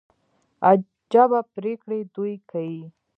عجبه پرېکړي دوى کيي.